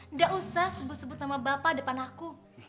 nggak usah sebut sebut nama bapak depan aku